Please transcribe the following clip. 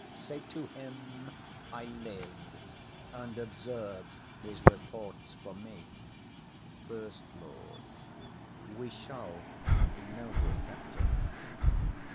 Say to him I live; and observe his reports for me. FIRST LORD. We shall, noble captain.